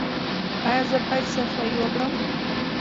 ایا زه باید صفايي وکړم؟